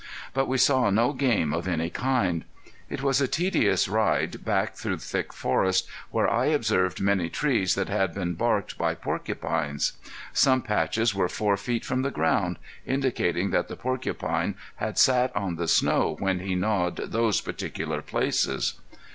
But we saw no game of any kind. It was a tedious ride back through thick forest, where I observed many trees that had been barked by porcupines. Some patches were four feet from the ground, indicating that the porcupine had sat on the snow when he gnawed those particular places.